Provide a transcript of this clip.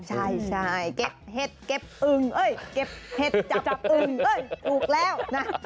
ใช่เก็บเห็ดเก็บอึงเก็บเห็ดจับอึงปลูกแล้ว